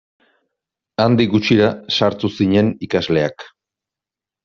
Handik gutxira sartu zinen ikasleak.